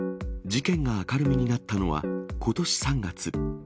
事件が明るみになったのはことし３月。